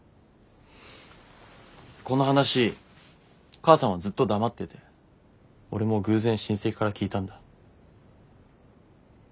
この話母さんはずっと黙ってて俺も偶然親戚から聞いたんだ。